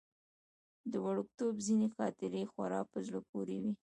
د وړکتوب ځينې خاطرې خورا په زړه پورې وي.